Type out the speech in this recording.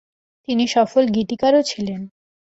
তিনি সফল গীতিকারও ছিলেন।